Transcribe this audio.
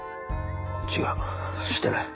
違うしてない。